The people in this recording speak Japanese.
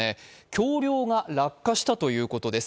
橋りょうが落下したということです。